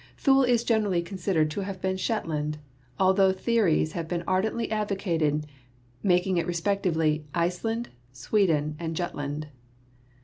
Thule is gener ally considered to have been Shetland, altho theories have been ardently advocated making it respectively Iceland, Sweden and Jutland.